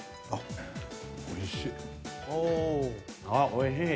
おいしい。